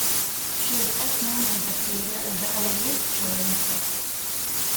She is best known as the creator of the "Eloise" children's books.